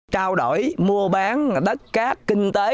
trao đổi mua bán đất cát kinh tế